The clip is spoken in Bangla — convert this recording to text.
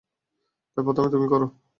তাই প্রথমে তুমি করো!